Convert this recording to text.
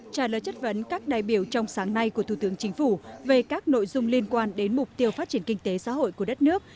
trả lời chất vấn các đại biểu trong sáng nay của thủ tướng chính phủ về các nội dung liên quan đến mục tiêu phát triển kinh tế xã hội của đất nước